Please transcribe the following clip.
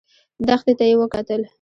دښتې ته يې وکتل.